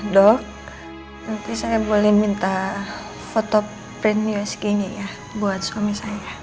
dok nanti saya boleh minta foto print us gini ya buat suami saya